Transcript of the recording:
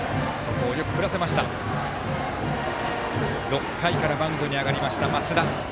６回からマウンドに上がりました増田。